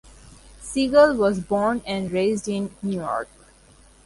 Segal was born and raised in New York.